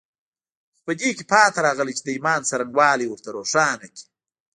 خو په دې کې پاتې راغلي چې د ايمان څرنګوالي ورته روښانه کړي.